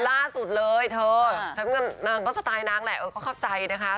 ก็ล่าสุดเลยเธอเชิญกันนางก็สไตล์นางแหละก็เข้าใจนะคะ